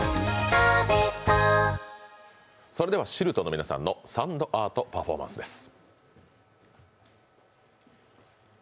それではＳＩＬＴの皆さんのサンドアートパフォーマンスです。